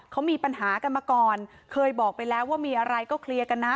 เขามีปัญหากันมาก่อนเคยบอกไปแล้วว่ามีอะไรก็เคลียร์กันนะ